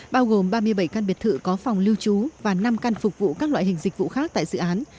bao gồm ba mươi bảy căn biệt thự có phòng lưu trú và năm căn phục vụ các loại hình dịch vụ khác tại dự án